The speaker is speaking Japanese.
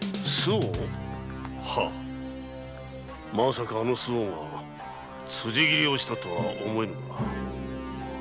まさかあの周防が辻斬りをしたとは思えぬが。